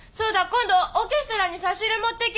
今度オーケストラに差し入れ持っていきます！